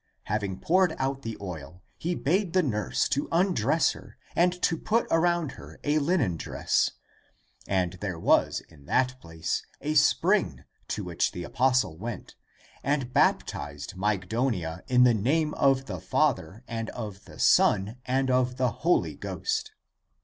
^ Having poured out the oil, he bade the nurse to undress her and to put around her a linen dress. And there was in that place a spring to which the apostle went and baptized Mygdonia in the name of the Father and of the Son and of the Holy Ghost.